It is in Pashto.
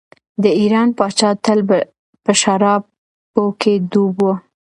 د ایران پاچا تل په شرابو کې ډوب و.